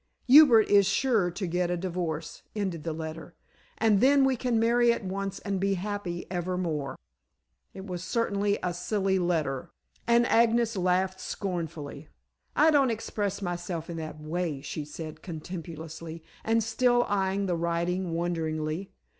"Hubert is sure to get a divorce," ended the letter, "and then we can marry at once and be happy ever more." It was certainly a silly letter, and Agnes laughed scornfully. "I don't express myself in that way," she said contemptuously, and still eyeing the writing wonderingly.